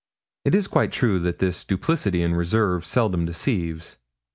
It is quite true that this duplicity and reserve seldom deceives.